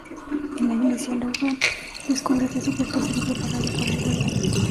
En la iglesia, Logan descubre que su cuerpo ha sido preparado para el vuelo.